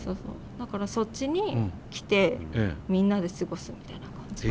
だからそっちに来てみんなで過ごすみたいな感じが。